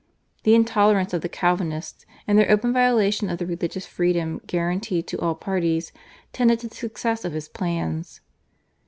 The intolerance of the Calvinists and their open violation of the religious freedom guaranteed to all parties tended to the success of his plans.